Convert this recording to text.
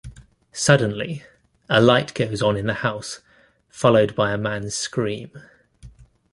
Suddenly, a light goes on in the house, followed by a man's scream.